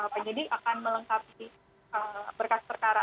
penyidik akan melengkapi berkas perkara